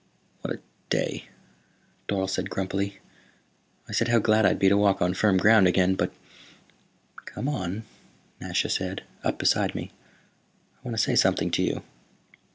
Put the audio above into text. "What a day," Dorle said grumpily. "I said how glad I'd be to walk on firm ground again, but " "Come on," Nasha said. "Up beside me. I want to say something to you.